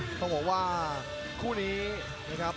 ต้องบอกว่าคู่นี้นะครับ